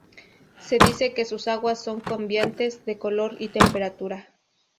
Se Dice que sus aguas son cambiantes de color y temperatura.